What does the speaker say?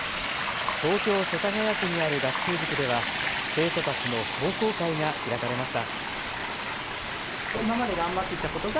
東京世田谷区にある学習塾では生徒たちの壮行会が開かれました。